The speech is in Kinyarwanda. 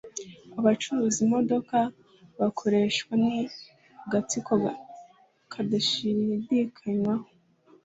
Abacuruza imodoka bakoreshwa ni agatsiko kadashidikanywaho.